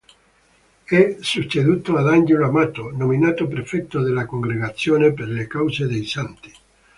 È succeduto ad Angelo Amato, nominato prefetto della Congregazione per le cause dei santi.